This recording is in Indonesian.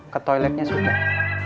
ke toiletnya sudah